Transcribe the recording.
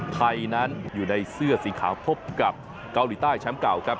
ไทยนั้นอยู่ในเสื้อสีขาวพบกับเกาหลีใต้แชมป์เก่าครับ